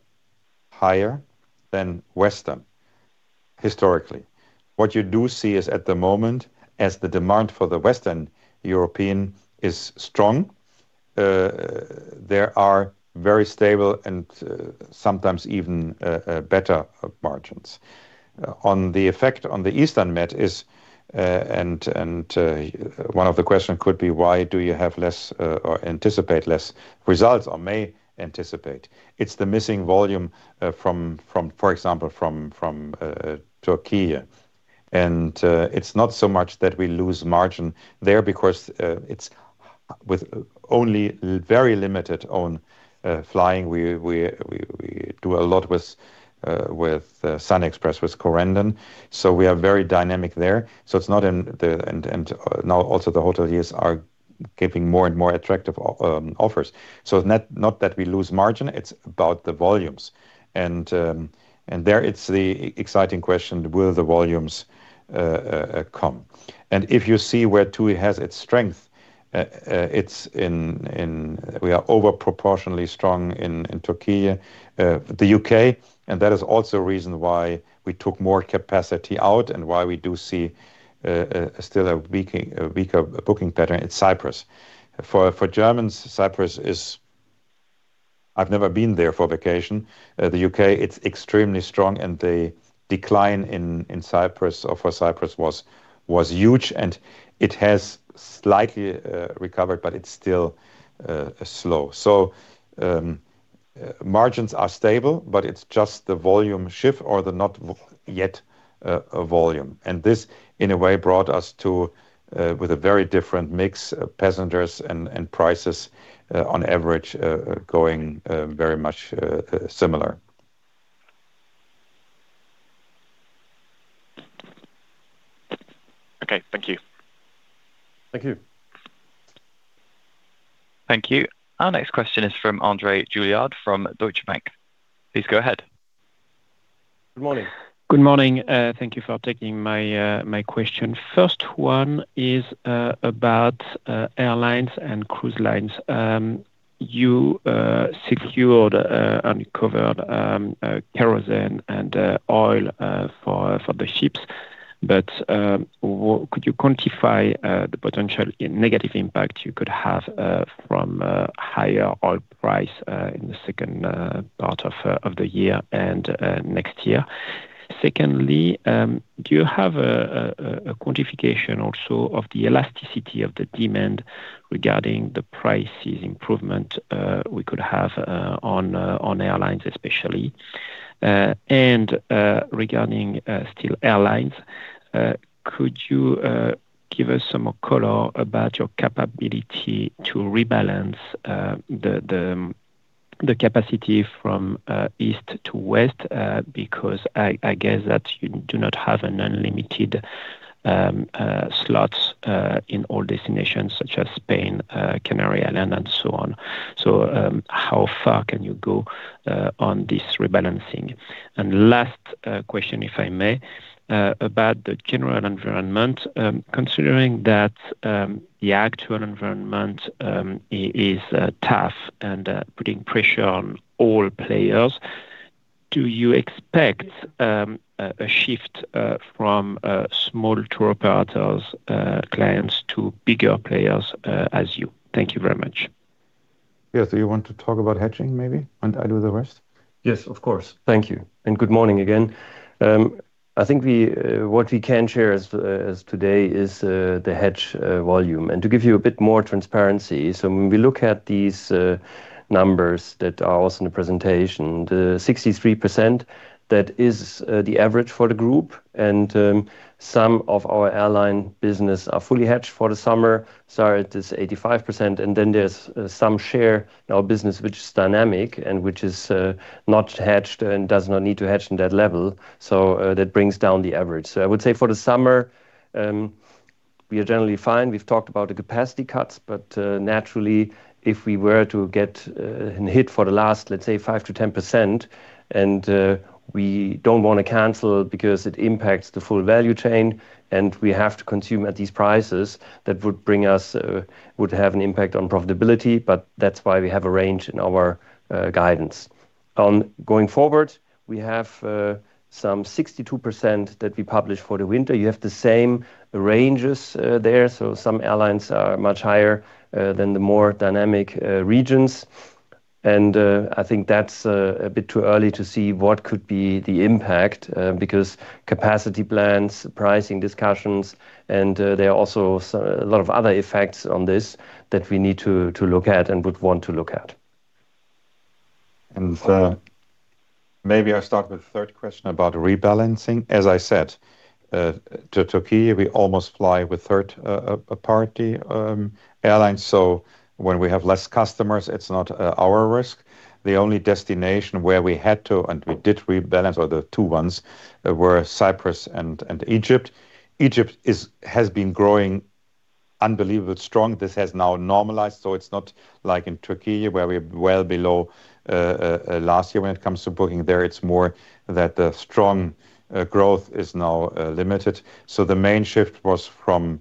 C: higher than western, historically. What you do see is at the moment, as the demand for the Western European is strong, there are very stable and sometimes even better margins. On the effect on the Eastern Med is, one of the question could be why do you have less or anticipate less results or may anticipate. It's the missing volume from, for example, from Türkiye. It's not so much that we lose margin there because it's with only very limited own flying. We do a lot with SunExpress, with Corendon, so we are very dynamic there. It's not in the now also the hoteliers are giving more and more attractive offers. Not that we lose margin, it's about the volumes. There it's the exciting question, will the volumes come? If you see where TUI has its strength, it's in We are over proportionally strong in Türkiye, the U.K., and that is also a reason why we took more capacity out and why we do see, still a weaker booking pattern in Cyprus. For Germans, Cyprus is I've never been there for vacation. The U.K., it's extremely strong, and the decline in Cyprus or for Cyprus was huge, and it has slightly recovered, but it's still slow. Margins are stable, but it's just the volume shift or the not yet volume. This, in a way, brought us to with a very different mix of passengers and prices on average going very much similar.
H: Okay. Thank you.
C: Thank you.
A: Thank you. Our next question is from André Juillard from Deutsche Bank. Please go ahead.
C: Good morning.
I: Good morning. Thank you for taking my question. First one is about airlines and cruise lines. You secured and covered kerosene and oil for the ships. Could you quantify the potential negative impact you could have from higher oil price in the second part of the year and next year? Secondly, do you have a quantification also of the elasticity of the demand regarding the prices improvement we could have on airlines, especially? Regarding still airlines, could you give us some more color about your capability to rebalance the capacity from east to west? Because I guess that you do not have an unlimited slots in all destinations such as Spain, Canary Islands, and so on. How far can you go on this rebalancing? Last question, if I may, about the general environment. Considering that the actual environment is tough and putting pressure on all players, do you expect a shift from small tour operators clients to bigger players as you? Thank you very much.
C: Yeah. You want to talk about hedging maybe, and I do the rest?
D: Yes, of course. Thank you, and good morning again. I think what we can share as today is the hedge volume. To give you a bit more transparency, when we look at these numbers that are also in the presentation, the 63%, that is the average for the group. Some of our airline business are fully hedged for the summer, it is 85%, and then there's some share in our business which is dynamic and which is not hedged and does not need to hedge in that level. That brings down the average. I would say for the summer, we are generally fine. We've talked about the capacity cuts, but naturally, if we were to get and hit for the last, let's say, 5%-10%, and we don't want to cancel because it impacts the full value chain, and we have to consume at these prices, that would bring us would have an impact on profitability, but that's why we have a range in our guidance. Going forward, we have some 62% that we publish for the winter. You have the same ranges there, so some airlines are much higher than the more dynamic regions. I think that's a bit too early to see what could be the impact, because capacity plans, pricing discussions, and there are also a lot of other effects on this that we need to look at and would want to look at.
C: Maybe I start with third question about rebalancing. As I said, to Turkey, we almost fly with third party airlines, so when we have less customers, it's not our risk. The only destination where we had to, and we did rebalance, or the two ones, were Cyprus and Egypt. Egypt is, has been growing unbelievably strong. This has now normalized, so it's not like in Turkey where we're well below last year when it comes to booking there. It's more that the strong growth is now limited. The main shift was from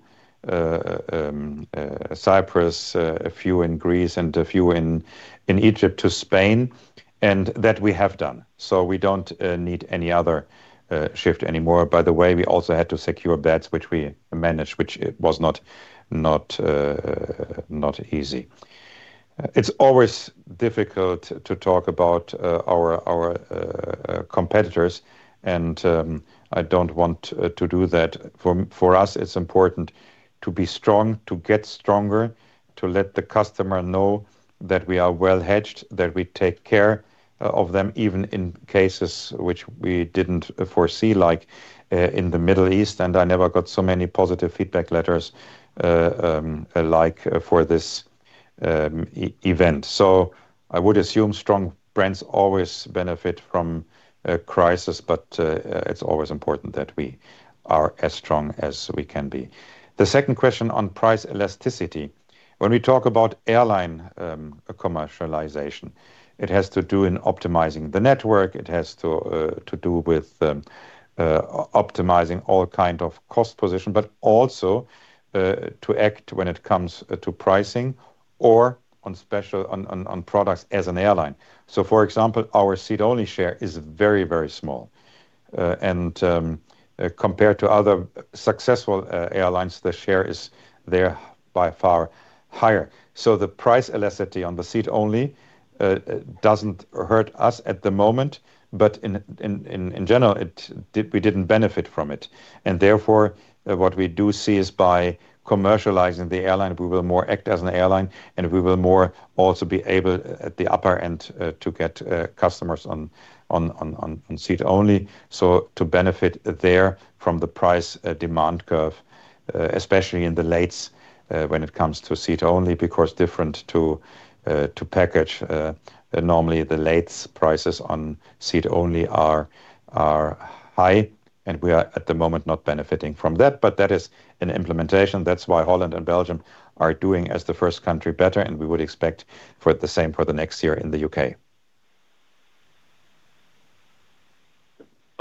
C: Cyprus, a few in Greece and a few in Egypt to Spain, and that we have done. We don't need any other shift anymore. We also had to secure beds, which we managed, which it was not easy. It's always difficult to talk about our competitors. I don't want to do that. For us, it's important to be strong, to get stronger, to let the customer know that we are well hedged, that we take care of them, even in cases which we didn't foresee, like in the Middle East. I never got so many positive feedback letters like for this event. I would assume strong brands always benefit from a crisis. It's always important that we are as strong as we can be. The second question on price elasticity. When we talk about airline commercialization, it has to do in optimizing the network. It has to do with optimizing all kind of cost position, but also to act when it comes to pricing or on special on products as an airline. For example, our seat-only share is very, very small. Compared to other successful airlines, the share is there by far higher. The price elasticity on the seat-only doesn't hurt us at the moment, but in general, it, we didn't benefit from it. Therefore, what we do see is by commercializing the airline, we will more act as an airline, and we will more also be able, at the upper end, to get customers on seat-only. To benefit there from the price demand curve, especially in the lates, when it comes to seat-only, because different to package, normally the lates prices on seat-only are high, and we are at the moment not benefiting from that. That is an implementation. That's why Holland and Belgium are doing as the first country better, and we would expect for the same for the next year in the U.K.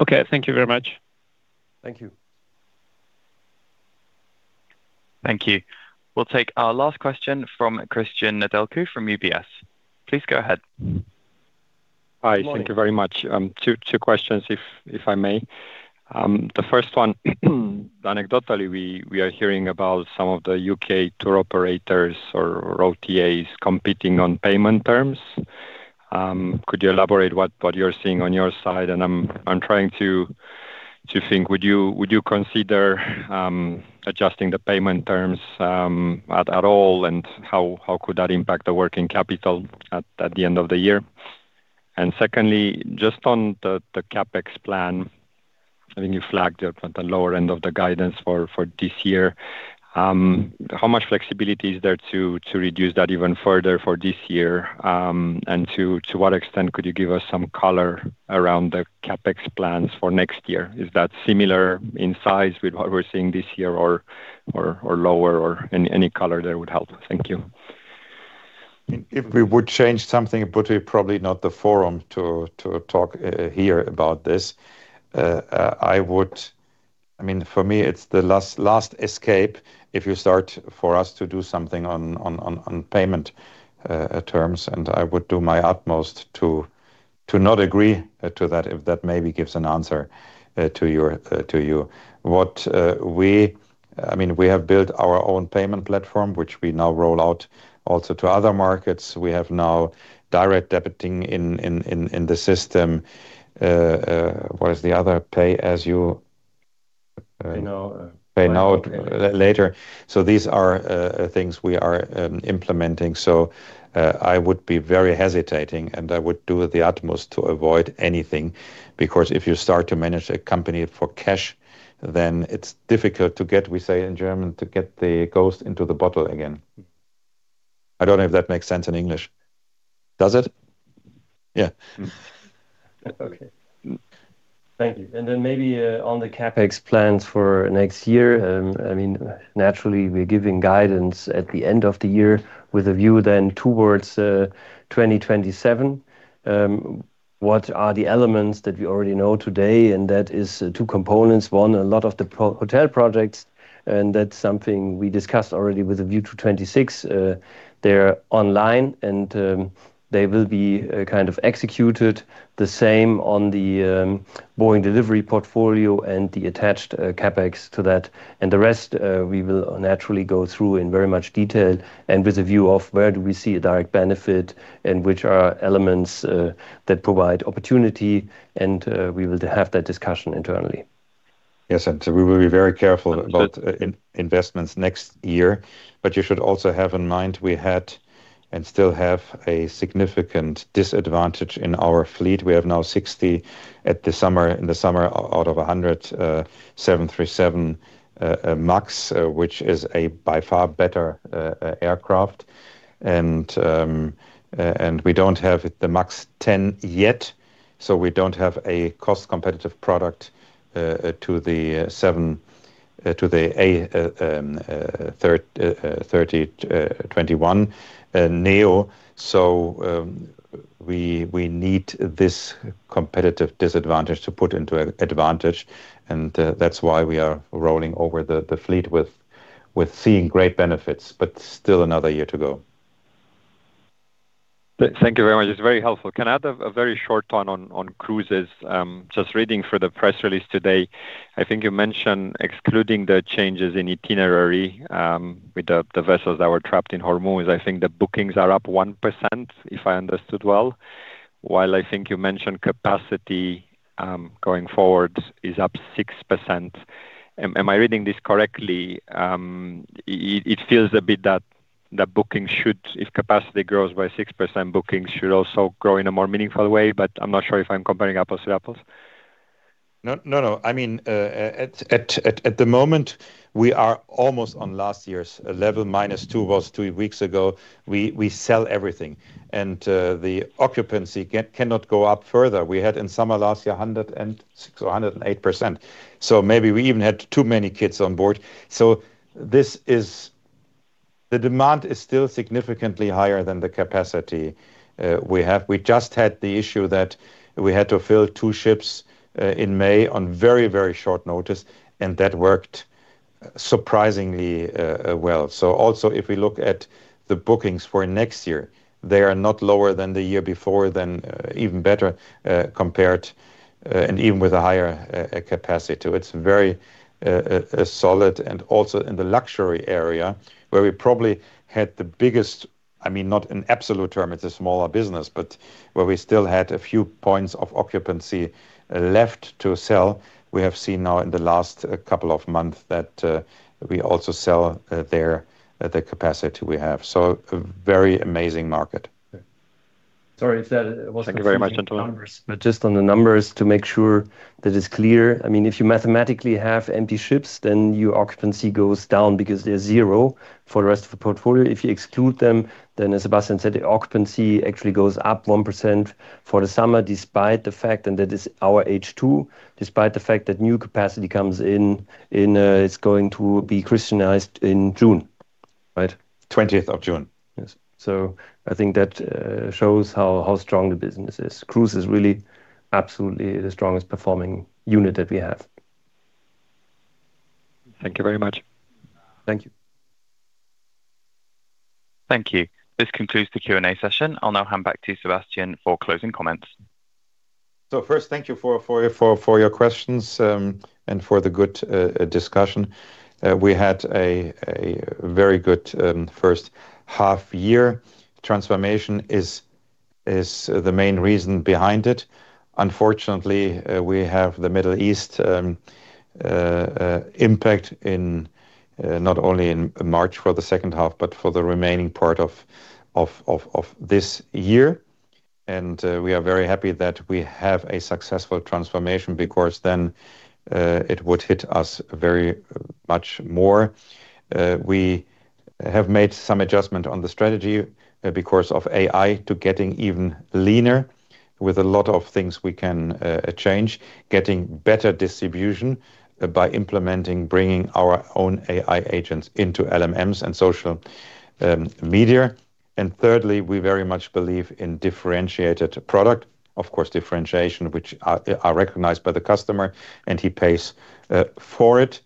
I: Okay. Thank you very much.
C: Thank you.
A: Thank you. We'll take our last question from Cristian Nedelcu from UBS. Please go ahead.
C: Good morning.
J: Hi. Thank you very much. Two questions if I may. The first one, anecdotally, we are hearing about some of the U.K. tour operators or OTAs competing on payment terms. Could you elaborate what you're seeing on your side? I'm trying to think, would you consider adjusting the payment terms at all, how could that impact the working capital at the end of the year? Secondly, just on the CapEx plan, I think you flagged at the lower end of the guidance for this year, how much flexibility is there to reduce that even further for this year? To what extent could you give us some color around the CapEx plans for next year? Is that similar in size with what we're seeing this year or lower or any color there would help? Thank you.
C: If we would change something, it would be probably not the forum to talk here about this. I mean, for me, it's the last escape if you start for us to do something on payment terms. I would do my utmost to not agree to that, if that maybe gives an answer to you. What, I mean, we have built our own payment platform, which we now roll out also to other markets. We have now direct debiting in the system. What is the other? Pay now, pay later. These are things we are implementing. I would be very hesitating, and I would do the utmost to avoid anything, because if you start to manage a company for cash, then it's difficult to get, we say in German, to get the ghost into the bottle again. I don't know if that makes sense in English. Does it? Yeah.
D: Okay. Thank you. Maybe on the CapEx plans for next year, naturally, we're giving guidance at the end of the year with a view towards 2027. What are the elements that we already know today? That is two components. One, a lot of the hotel projects, and that's something we discussed already with a view to 2026. They're online and they will be kind of executed the same on the Boeing delivery portfolio and the attached CapEx to that. The rest, we will naturally go through in very much detail and with a view of where do we see a direct benefit and which are elements that provide opportunity, and we will have that discussion internally.
C: Yes. We will be very careful about investments next year. You should also have in mind we had and still have a significant disadvantage in our fleet. We have now 60 at the summer, in the summer out of 100, 737 MAX, which is a by far better aircraft. And we don't have the MAX 10 yet, so we don't have a cost-competitive product to the A321neo. We need this competitive disadvantage to put into a advantage, and that's why we are rolling over the fleet with seeing great benefits, but still another year to go.
J: Thank you very much. It's very helpful. Can I have a very short one on cruises? Just reading for the press release today, I think you mentioned excluding the changes in itinerary with the vessels that were trapped in Hormuz. I think the bookings are up 1%, if I understood well, while I think you mentioned capacity going forward is up 6%. Am I reading this correctly? It feels a bit that the booking should, if capacity grows by 6%, bookings should also grow in a more meaningful way, but I'm not sure if I'm comparing apples to apples.
C: No, no. I mean, at the moment, we are almost on last year's level, -2 was three weeks ago. We sell everything, and the occupancy cannot go up further. We had in summer last year, 106% or 108%. Maybe we even had too many kids on board. The demand is still significantly higher than the capacity. We just had the issue that we had to fill two ships in May on very, very short notice, and that worked surprisingly well. Also, if we look at the bookings for next year, they are not lower than the year before then, even better compared, and even with a higher capacity to it. It's very solid and also in the luxury area, where we probably had the biggest, I mean, not in absolute term, it's a smaller business, but where we still had a few points of occupancy left to sell. We have seen now in the last couple of months that we also sell there the capacity we have. A very amazing market.
J: Sorry if that was confusing. Thank you very much.
D: It's just with the numbers, but just on the numbers to make sure that it's clear. I mean, if you mathematically have empty ships, then your occupancy goes down because they're zero for the rest of the portfolio. If you exclude them, then as Sebastian said, the occupancy actually goes up 1% for the summer, despite the fact, and that is our H2, despite the fact that new capacity comes in, it's going to be christened in June, right?
C: 20th of June.
D: Yes. I think that shows how strong the business is. Cruise is really absolutely the strongest performing unit that we have.
J: Thank you very much.
C: Thank you.
A: Thank you. This concludes the Q&A session. I'll now hand back to Sebastian for closing comments.
C: First, thank you for your questions and for the good discussion. We had a very good first half year. Transformation is the main reason behind it. Unfortunately, we have the Middle East impact not only in March for the second half, but for the remaining part of this year. We are very happy that we have a successful transformation because then it would hit us very much more. We have made some adjustment on the strategy because of AI to getting even leaner with a lot of things we can change, getting better distribution by implementing, bringing our own AI agents into LLMs and social media. Thirdly, we very much believe in differentiated product. Differentiation, which are recognized by the customer, and he pays for it.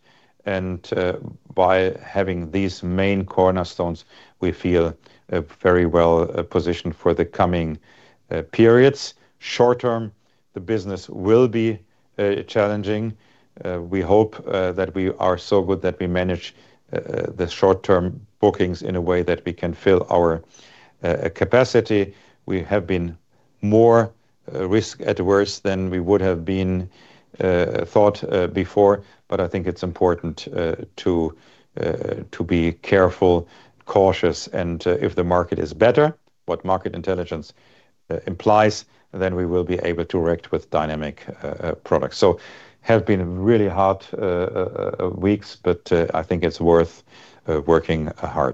C: By having these main cornerstones, we feel very well positioned for the coming periods. Short term, the business will be challenging. We hope that we are so good that we manage the short-term bookings in a way that we can fill our capacity. We have been more risk adverse than we would have been thought before, I think it's important to be careful, cautious. If the market is better, what market intelligence implies, then we will be able to react with dynamic products. Have been really hard weeks, I think it's worth working hard.